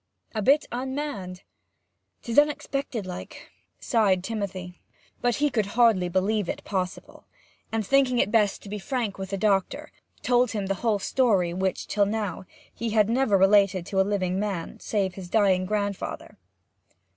'A bit unmanned. 'Tis unexpected like,' sighed Timothy. But he could hardly believe it possible; and, thinking it best to be frank with the doctor, told him the whole story which, till now, he had never related to living man, save his dying grandfather.